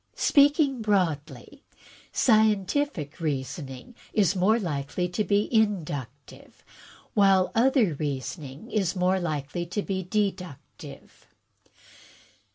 Speaking broadly, scientific reasoning is more likely to be inductive, while other reasoning is more likely to be deductive."